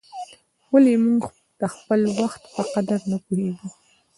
ولي موږ د خپل وخت په قدر نه پوهیږو؟